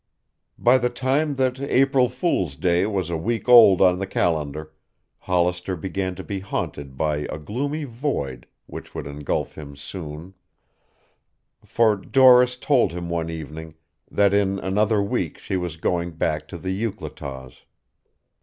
By the time that April Fool's Day was a week old on the calendar, Hollister began to be haunted by a gloomy void which would engulf him soon, for Doris told him one evening that in another week she was going back to the Euclataws.